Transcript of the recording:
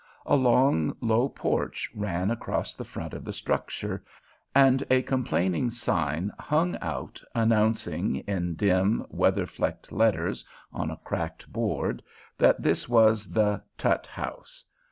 A long, low porch ran across the front of the structure, and a complaining sign hung out announcing, in dim, weather flecked letters on a cracked board, that this was the "Tutt House."